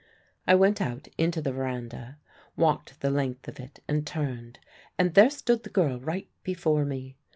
I went out into the verandah, walked the length of it and turned and there stood the girl right before me!